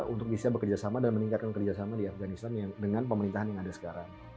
untuk bisa bekerjasama dan meningkatkan kerjasama di afganistan dengan pemerintahan yang ada sekarang